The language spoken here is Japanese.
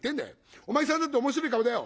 お前さんだっておもしろい顔だよ」。